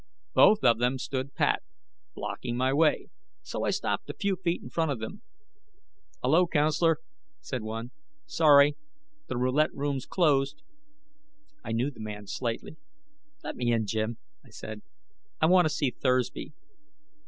Both of them stood pat, blocking my way, so I stopped a few feet in front of them. "Hello, counselor," said one. "Sorry, the roulette room's closed." I knew the man slightly. "Let me in, Jim," I said. "I want to see Thursby."